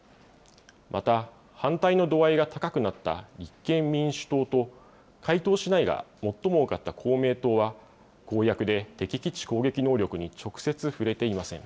また、反対の度合いが高くなった立憲民主党と、回答しないが最も多かった公明党は、公約で敵基地攻撃能力に直接触れていません。